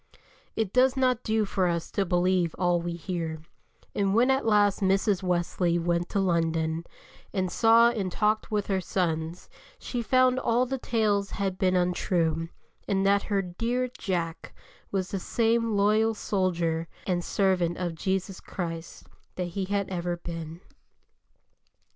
It does not do for us to believe all we hear, and when at last Mrs. Wesley went to London, and saw and talked with her sons, she found all the tales had been untrue, and that her "dear Jack" was the same loyal soldier and servant of Jesus Christ that he had ever been.